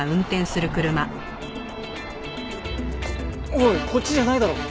おいこっちじゃないだろ！